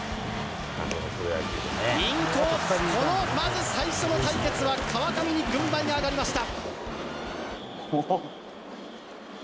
インコース、このまず最初の対決は、川上に軍配が上がりました。